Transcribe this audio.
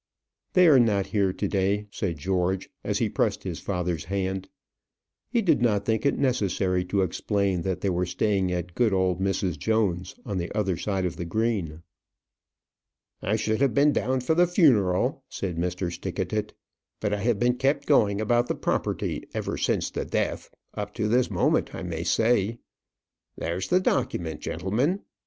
"They are not here to day," said George, as he pressed his father's hand. He did not think it necessary to explain that they were staying at good old Mrs. Jones's, on the other side of the Green. "I should have been down for the funeral," said Mr. Stickatit; "but I have been kept going about the property, ever since the death, up to this moment, I may say. There's the document, gentlemen."